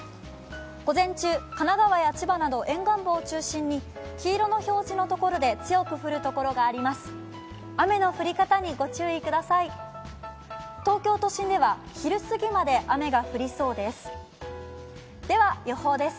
午前中、神奈川や千葉など沿岸部を中心に黄色の標示の所で強く降る所があります。